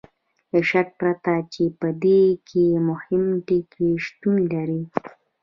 له شک پرته چې په دې کې مهم ټکي شتون لري.